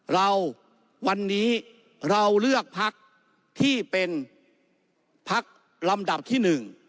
เราวันนี้เราเลือกพักที่เป็นพักลำดับที่๑